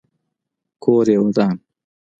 کور یې ودان.